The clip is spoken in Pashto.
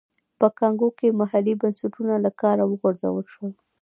په کانګو کې محلي بنسټونه له کاره وغورځول شول.